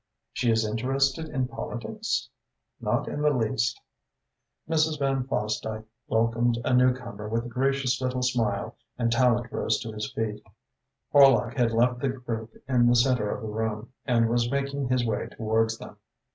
"She is interested in politics?" "Not in the least." Mrs. Van Fosdyke welcomed a newcomer with a gracious little smile and Tallente rose to his feet. Horlock had left the group in the centre of the room and was making his way towards them.